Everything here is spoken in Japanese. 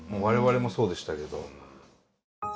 我々もそうでしたけど。